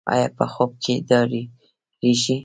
ایا په خوب کې ډاریږي؟